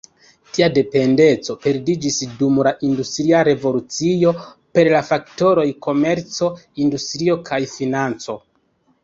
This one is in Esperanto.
Tia dependeco perdiĝis dum la industria revolucio per la faktoroj komerco, industrio kaj financo.